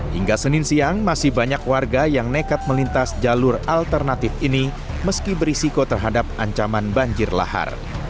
hingga senin siang masih banyak warga yang nekat melintas jalur alternatif ini meski berisiko terhadap ancaman banjir lahar